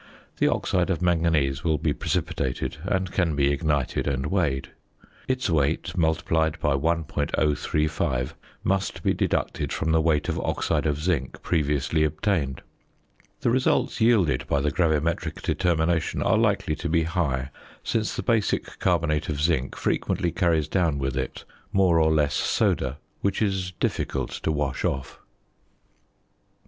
The oxide of manganese will be precipitated, and can be ignited and weighed. Its weight multiplied by 1.035 must be deducted from the weight of oxide of zinc previously obtained. The results yielded by the gravimetric determination are likely to be high, since the basic carbonate of zinc frequently carries down with it more or less soda which is difficult to wash off.